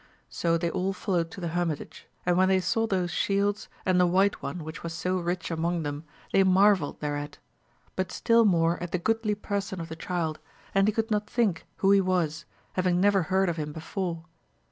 So they all followed to the hermitage, and when they saw those shields, and the white one which was so rich among them, they marvelled thereat, but still more at the goodly person of the child, and they could not think who he was, having never heard of him before.